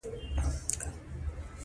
هېڅکله زما کومه اورنۍ مینه پیدا نه شوه.